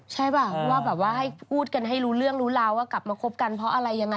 ใช่ป่ะว่าแบบว่าให้พูดกันให้รู้เรื่องรู้ราวว่ากลับมาคบกันเพราะอะไรยังไง